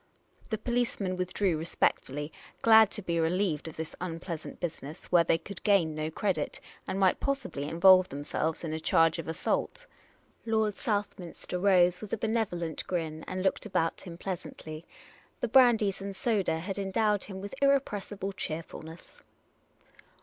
" The policemen withdrew respectfully, glad to be relieved of this unpleasant business, where they could gain no credit, and might possibly involve themselves in a charge of assault. 340 Miss Cayley's Adventures Lord Southminster rose with a benevolent grin, and looked about him pleasantly. The brandies and soda had endowed him with irrepressible cheerfulness.